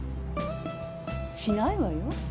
しないわよ。